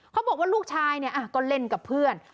เขาบอกว่าลูกชายเนี่ยก็เล่นกับเพื่อน